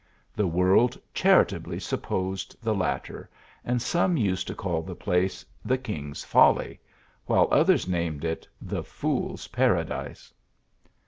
The world charitably supposed the latter, and some used to call the place " the king s folly," while others named it " the fool s Paradise."